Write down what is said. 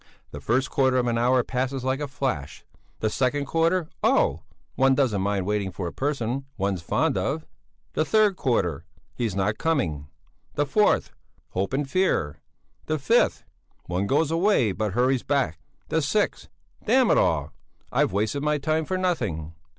The first quarter of an hour passes like a flash! The second quarter oh! one doesn't mind waiting for a person one's fond of; the third quarter: he's not coming; the fourth: hope and fear; the fifth: one goes away but hurries back; the sixth: Damn it all! I've wasted my time for nothing!